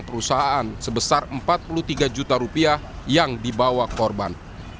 perusahaan sebesar empat puluh tiga juta rupiah yang dibawa korban